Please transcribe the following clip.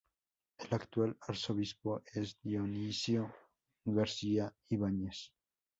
El actual arzobispo es Dionisio García Ibáñez.